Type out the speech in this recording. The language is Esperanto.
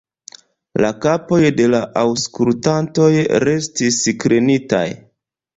La kapoj de la aŭskultantoj restis klinitaj.